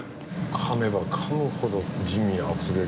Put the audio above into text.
噛めば噛むほど滋味あふれる。